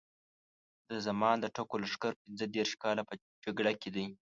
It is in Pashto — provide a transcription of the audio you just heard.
د زمان د ټکو لښکر پینځه دېرش کاله په جګړه کې دی.